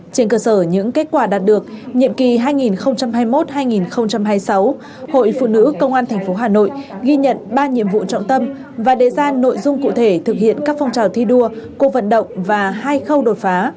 trên cơ sở những kết quả đạt được nhiệm kỳ hai nghìn hai mươi một hai nghìn hai mươi sáu hội phụ nữ công an tp hà nội ghi nhận ba nhiệm vụ trọng tâm và đề ra nội dung cụ thể thực hiện các phong trào thi đua cuộc vận động và hai khâu đột phá